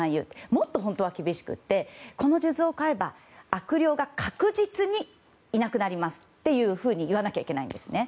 もっと本当は厳しくてこの数珠を買えば悪霊が、確実にいなくなりますというふうに言わなきゃいけないんですね。